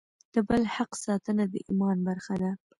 د بل حق ساتنه د ایمان برخه ده.